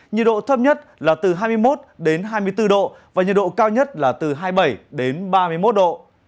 nhiệt độ thấp nhất là từ hai mươi một đến hai mươi bốn độ và nhiệt độ cao nhất là từ hai mươi bảy đến ba mươi một độ